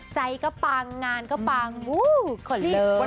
ใจก็ปังงานก็ปังโอ้โฮขนเลิฟ